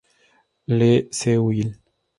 Le seuil.